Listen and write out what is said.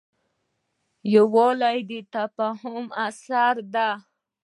یووالی د تفاهم ثمره ده.